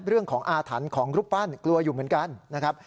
เรื่องของอาถรรพ์ของรูปปั้นกลัวอยู่เหมือนกันนะครับ